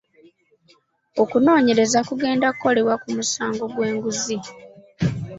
Okunoonyereza kugenda kukolebwa ku musango gw'enguzi.